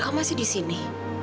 kamu masih di sini